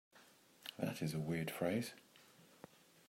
That is a weird phrase.